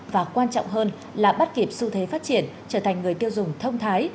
và quan trọng hơn là bắt kịp xu thế phát triển trở thành người tiêu dùng thông thái